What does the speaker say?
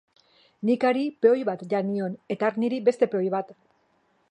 Nik hari peoi bat jan nion eta hark niri beste peoi bat.